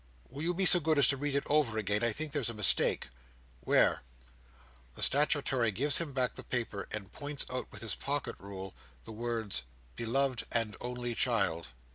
"Will you be so good as read it over again? I think there's a mistake." "Where?" The statuary gives him back the paper, and points out, with his pocket rule, the words, "beloved and only child."